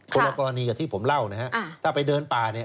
คนละกรณีกับที่ผมเล่านะฮะถ้าไปเดินป่าเนี่ย